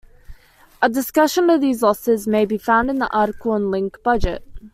A discussion of these losses may be found in the article on link budget.